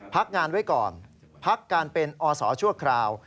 พักงานไว้ก่อนพักการเป็นอศชั่วคราว